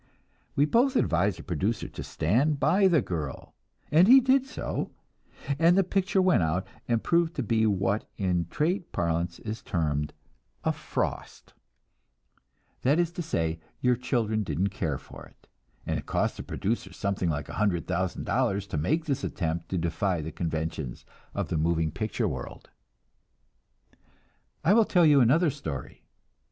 We both advised the producer to stand by the girl, and he did so; and the picture went out, and proved to be what in trade parlance is termed a "frost"; that is to say, your children didn't care for it, and it cost the producer something like a hundred thousand dollars to make this attempt to defy the conventions of the moving picture world. I will tell you another story.